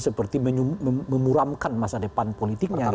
seperti memuramkan masa depan politiknya